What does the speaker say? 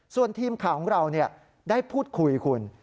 ส่วนทีมข่าวของเราได้พูดคุยคุณ